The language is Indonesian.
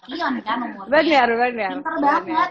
umurnya benar benar pinter banget